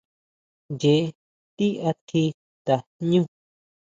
Ncheé ti atji tajñu.